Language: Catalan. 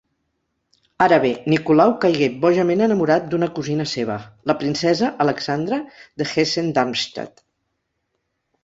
Ara bé, Nicolau caigué bojament enamorat d'una cosina seva, la princesa Alexandra de Hessen-Darmstadt.